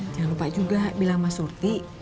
jangan lupa juga bilang mas surti